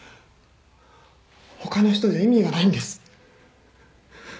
他の人じゃ意味がないんです。